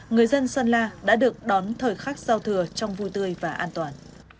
người dân sơn la đã được đón thời khắc giao thừa trong vui tươi và an toàn